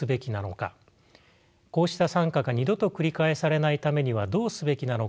こうした惨禍が二度と繰り返されないためにはどうすべきなのか。